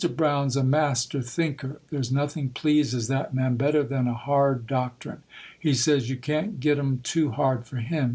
Brown's a master thinker; there's nothing pleases that man better than a hard doctrine; he says you can't get 'em too hard for him.